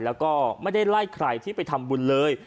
แล้วก็ไม่ได้ไล่ใครที่ไปทำบุญเลย